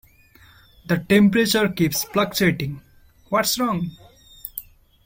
The temperature keeps fluctuating, what's wrong?